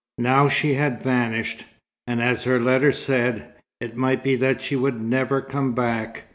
Now she had vanished; and as her letter said, it might be that she would never come back.